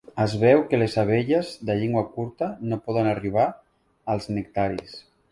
Es veu que les abelles de llengua curta no poden arribar als nectaris.